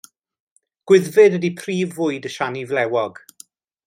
Gwyddfid ydy prif fwyd y siani flewog.